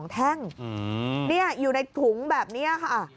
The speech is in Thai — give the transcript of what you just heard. แท่งอยู่ในถุงแบบนี้ค่ะ